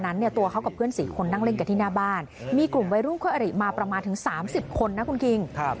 แล้วเราก็เดือดร้อนด้วยแล้วเรารู้สึกกลัวบ้างไหมครับ